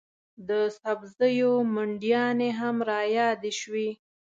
د سبزیو منډیانې هم رایادې شوې.